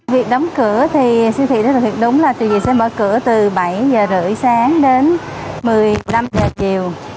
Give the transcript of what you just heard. việc đóng cửa thì siêu thị rất là thiệt đúng là tuy nhiên sẽ mở cửa từ bảy h ba mươi sáng đến một mươi năm h chiều